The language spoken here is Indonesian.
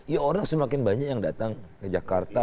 ya orang semakin banyak yang datang ke jakarta